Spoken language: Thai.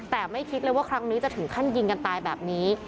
แต่ไม่คิดเลยว่าครั้งนี้จะถึงขั้นยิงกันตายแบบนี้